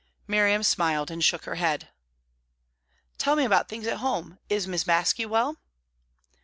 Miriam smiled and shook her head. "Tell me about things at home. Is Miss Baske well?"